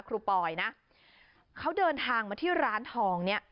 รูปอยนะเขาเดินทางมาที่ร้านทองเนี่ย